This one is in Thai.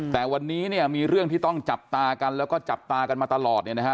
แต่วันนี้เนี่ยมีเรื่องที่ต้องจับตากันแล้วก็จับตากันมาตลอดเนี่ยนะฮะ